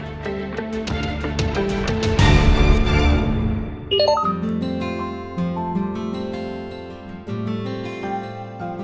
tunggu mbak andin